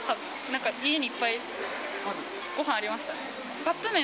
なんか家にいっぱい、ごはんありましたね。